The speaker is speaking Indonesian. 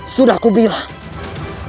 sudah aku bilang